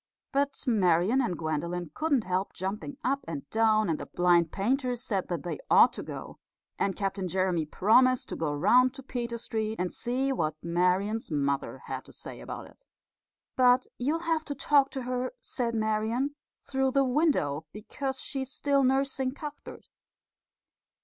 But Marian and Gwendolen couldn't help jumping up and down, and the blind painter said that they ought to go, and Captain Jeremy promised to go round to Peter Street and see what Marian's mother had to say about it. "But you'll have to talk to her," said Marian, "through the window, because she's still nursing Cuthbert."